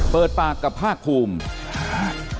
เปิดปากกับภาคภูมิ